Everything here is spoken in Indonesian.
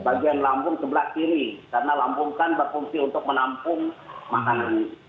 bagian lambung sebelah kiri karena lambung kan berfungsi untuk menampung makanan